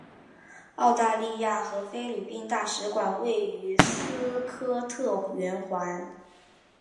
澳大利亚和菲律宾大使馆位于斯科特圆环。